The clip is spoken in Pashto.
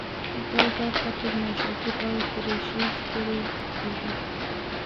دا برخه تر نیشاپور او ترشیز پورې رسېږي.